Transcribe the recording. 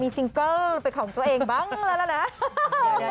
ซิงเกิลเป็นของตัวเองบ้างแล้วนะ